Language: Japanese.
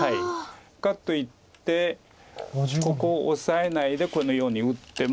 かといってここオサえないでこのように打っても。